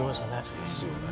そうですよね。